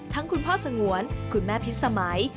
คุณพ่อสงวนคุณแม่พิษสมัย